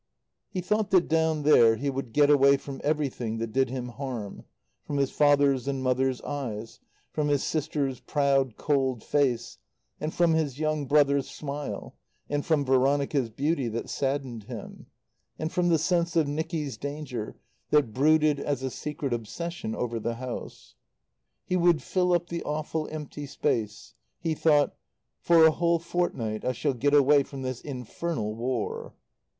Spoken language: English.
He thought that down there he would get away from everything that did him harm: from his father's and mother's eyes; from his sister's proud, cold face; and from his young brother's smile; and from Veronica's beauty that saddened him; and from the sense of Nicky's danger that brooded as a secret obsession over the house. He would fill up the awful empty space. He thought: "For a whole fortnight I shall get away from this infernal War."